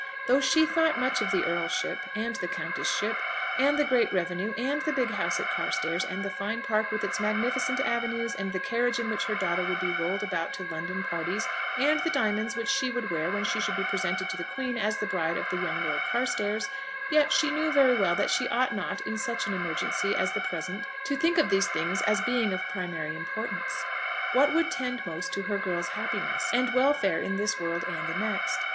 Though she thought much of the earl ship, and the countess ship, and the great revenue, and the big house at Carstairs, and the fine park with its magnificent avenues, and the carriage in which her daughter would be rolled about to London parties, and the diamonds which she would wear when she should be presented to the Queen as the bride of the young Lord Carstairs, yet she knew very well that she ought not in such an emergency as the present to think of these things as being of primary importance. What would tend most to her girl's happiness, and welfare in this world and the next?